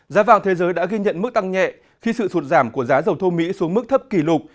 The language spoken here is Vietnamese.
giá vàng thế giới đã ghi nhận mức tăng nhẹ khi sự sụt giảm của giá dầu thô mỹ xuống mức thấp kỷ lục